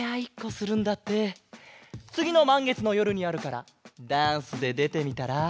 つぎのまんげつのよるにあるからダンスででてみたら？